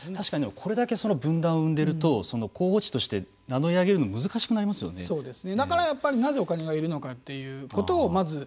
これだけ分断を生んでいると候補地として名乗り上げるのは難しくなりますよね。